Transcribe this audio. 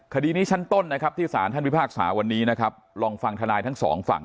คดีนี้ชั้นต้นนะครับที่สารท่านพิพากษาวันนี้นะครับลองฟังทนายทั้งสองฝั่ง